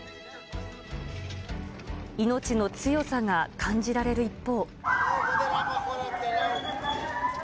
命の強さが感じられる一方。